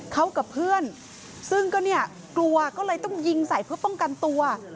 เขากับเพื่อนซึ่งก็เนี่ยกลัวก็เลยต้องยิงใส่เพื่อป้องกันตัว